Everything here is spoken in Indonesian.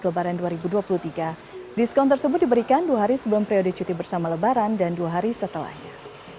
lebaran dua ribu dua puluh tiga diskon tersebut diberikan dua hari sebelum periode cuti bersama lebaran dan dua hari setelahnya